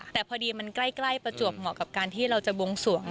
แต่พอดีมันใกล้ประจวบเหมาะกับการที่เราจะบวงสวง